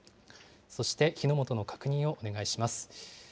そして火の元の確認をお願いします。